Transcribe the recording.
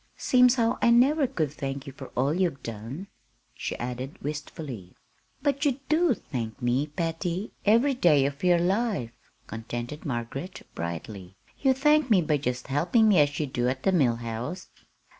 Seems how I never could thank ye fur all you've done," she added wistfully. "But you do thank me, Patty, every day of your life," contended Margaret, brightly. "You thank me by just helping me as you do at the Mill House."